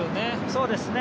そうですね。